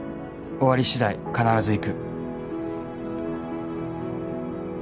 「終わり次第必ず行く」